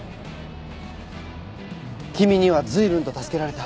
君には随分と助けられた。